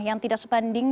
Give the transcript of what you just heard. yang tidak sebanding